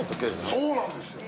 そうなんですよ。